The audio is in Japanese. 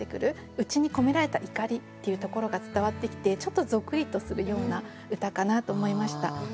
内に込められた怒りっていうところが伝わってきてちょっとゾクリとするような歌かなと思いました。